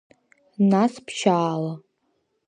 Нас ԥшьаала…